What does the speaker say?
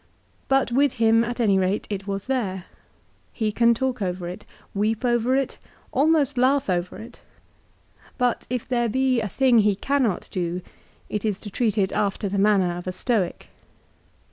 But with him at any rate it was there. He can talk over it, weep over it, almost laugh over it ; but if there be a thing that he cannot do it is to treat it after the manner of a Stoic.